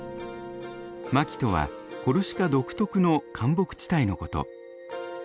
マキとはコルシカ独特の灌木地帯のこと。